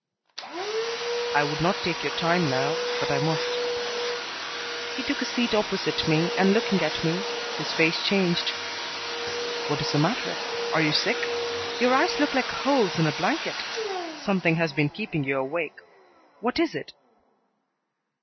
"I would not take your time now but I must." He took a seat opposite me, and looking at me, his face changed. "What is the matter? Are you sick? Your eyes look like holes in a blanket. Something has been keeping you awake. What is it?"